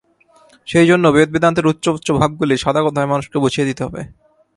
সেই জন্য বেদ-বেদান্তের উচ্চ উচ্চ ভাবগুলি সাদা কথায় মানুষকে বুঝিয়ে দিতে হবে।